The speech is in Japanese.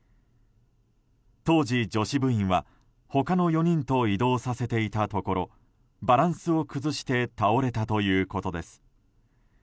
当時、女子部員は他の４人と移動させていたところバランスを崩して倒れたということです。